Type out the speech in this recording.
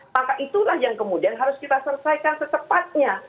maka itulah yang kemudian harus kita selesaikan secepatnya